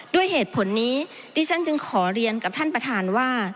ด้วยเหตุผลนี้ดิฉันจึงขอเรียนกับท่านประธานว่า